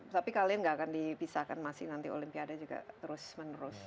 tapi kalian nggak akan dipisahkan masih nanti olimpiade juga terus menerus